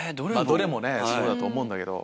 どれもそうだと思うんだけど。